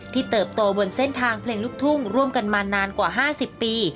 เติบโตบนเส้นทางเพลงลูกทุ่งร่วมกันมานานกว่า๕๐ปี